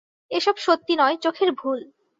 এ সব সত্যি নয়, চোখের ভুল।